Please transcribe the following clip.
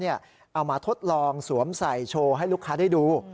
เอามาทดลองสวมใส่โชว์ให้ลูกค้าได้ดู